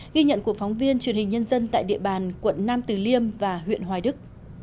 ghi nhận của phóng viên truyền hình nhân dân tại địa bàn quận nam từ liêm và huyện hoài đức